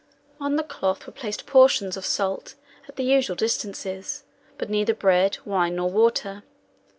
On the cloth were placed portions of salt at the usual distances, but neither bread, wine, nor water.